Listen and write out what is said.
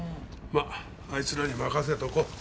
まっあいつらに任せとこう。